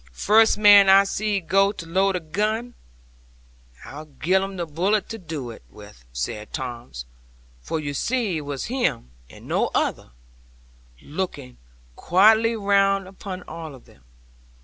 '"First man I see go to load a gun, I'll gi'e 'un the bullet to do it with," said Tom; for you see it was him and no other, looking quietly round upon all of them.